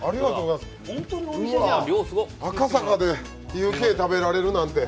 赤坂でＵ．Ｋ食べられるなんて。